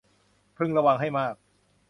พึงระวังให้มาก